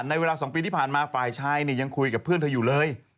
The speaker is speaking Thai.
ในเวลา๒ปีที่ผ่านมาฝ่ายชายยังคุยกับเพื่อนเธออยู่เลย